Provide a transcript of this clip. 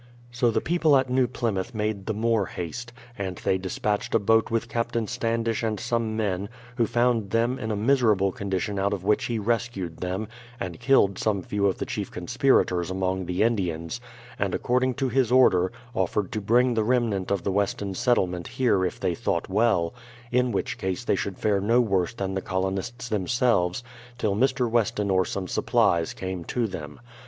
So the people at New Plymouth made the more haste, and they despatched a boat with Captain Standish and some 1 THE PLYMOUTH SETTLEMENT 113 men, who found them in a miserable condition out of which he rescued them, and killed some few of the chief con spirators among the Indians, and according to his order, offered to bring the remnant of the Weston settlement here if they thought well, in which case they should fare no worse than the colonists themselves, till Mr. Weston or some supplies came to them.